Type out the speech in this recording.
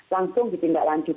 langsung dipindahkan ke dalam